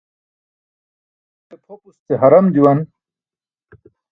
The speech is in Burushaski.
Huke pʰopus ce haram juwan.